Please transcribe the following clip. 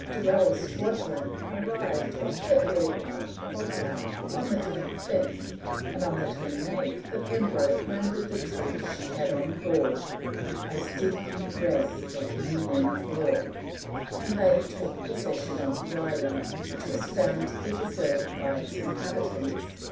Durell's squadron arrived off the Ile aux Coudres on the 25th, and on the 28th the Pembroke landed the troops she had on board, "as did ye rest of ye men of warr," and they took possession of the island, which was found to be deserted by its inhabitants.